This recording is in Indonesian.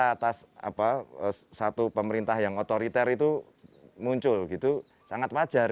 karena pas satu pemerintah yang otoriter itu muncul sangat wajar